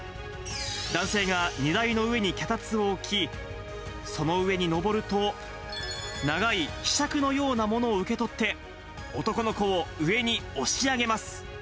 男性が荷台の上に脚立を置き、その上に上ると、長いひしゃくのようなものを受け取って、男の子を上に押し上げます。